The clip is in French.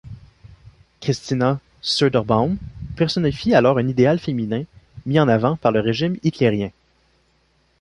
Kristina Söderbaum personnifie alors un idéal féminin, mis en avant par le régime hitlérien.